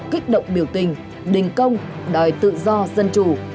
kích động biểu tình đình công đòi tự do dân chủ